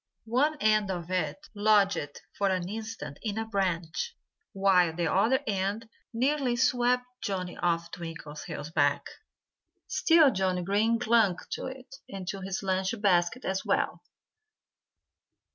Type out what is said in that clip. One end of it lodged for an instant in a branch, while the other end nearly swept Johnnie off Twinkleheels' back. Still Johnnie Green clung to it and to his lunch basket as well.